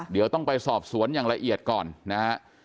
เดี๋ยวต้องไปสอบสวนอย่างละเอียดก่อนนะฮะ